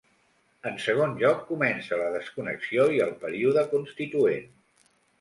En segon lloc, comença la desconnexió i el període constituent.